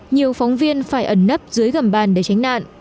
nhiều phóng viên phải ẩn nấp dưới gầm bàn để tránh nạn